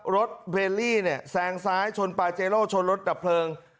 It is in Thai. รถเวลลี่เนี่ยแซงซ้ายชนปาเจโร่ชนรถดับเพลิง